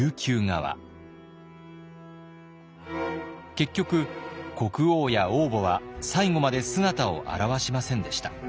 結局国王や王母は最後まで姿を現しませんでした。